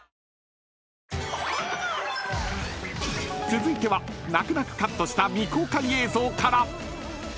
［続いては泣く泣くカットした未公開映像から］